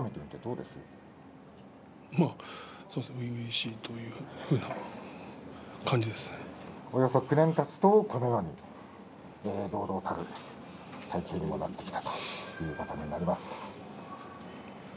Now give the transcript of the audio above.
初々しいおよそ９年たつとこのように堂々たる体形にもなってきたということになります。